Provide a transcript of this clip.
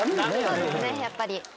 そうですねやっぱり。